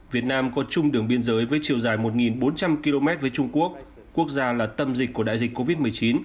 việt nam có chung đường biên giới với chiều dài một bốn trăm linh km với trung quốc quốc gia là tâm dịch của đại dịch covid một mươi chín